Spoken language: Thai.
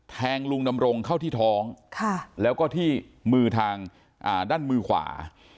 แทงลุงดำรงเข้าที่ท้องแล้วก็ที่มือทางด้านมือขวา